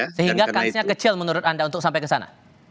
sehingga kansnya kecil menurut anda untuk sampai ke sana